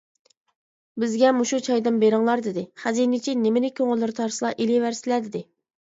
بىزگە مۇشۇ چايدىن بېرىڭلار دېدى، خەزىنىچى نېمىنى كۆڭۈللىرى تارتسا ئېلىۋەرسىلە دېدى.